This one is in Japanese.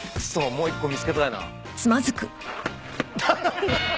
もう一個見つけたいな。